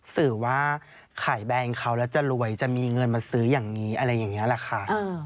สื่อว่าขายแบรนด์เขาแล้วจะรวยจะมีเงินมาซื้ออย่างนี้อะไรอย่างนี้แหละค่ะ